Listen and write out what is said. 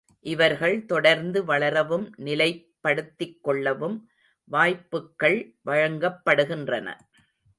இவர்கள் தொடர்ந்து வளரவும் நிலைப்படுத்திக் கொள்ளவும் வாய்ப்புக்கள் வழங்கப்படுகின்றன.